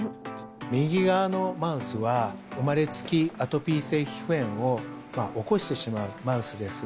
右側のマウスは、生まれつきアトピー性皮膚炎を起こしてしまうマウスです。